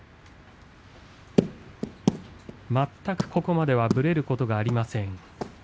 全くここまではぶれることがありません。